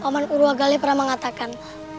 paman uruagale pernah mengatakan